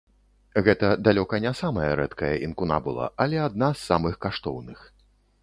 Гэта далёка не самая рэдкая інкунабула, але адна з самых каштоўных.